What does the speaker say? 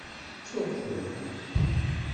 Ttuɣ-ten.